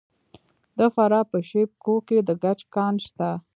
د فراه په شیب کوه کې د ګچ کان شته.